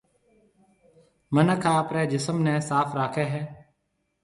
مِنک آپريَ جسم نَي صاف راکيَ هيَ۔